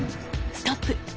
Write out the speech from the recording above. ストップ！